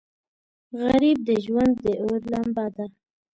غریب د ژوند د اور لمبه ده